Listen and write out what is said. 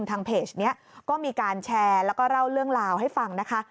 ทางเพจนี้ก็มีการแชร์แล้วก็เล่าเรื่องราวให้ฟังนะคะ